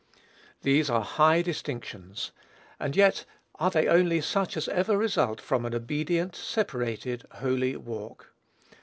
These are high distinctions; and yet are they only such as ever result from an obedient, separated, holy walk.